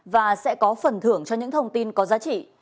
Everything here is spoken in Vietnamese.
và sẽ có phần thưởng cho những thông tin có giá trị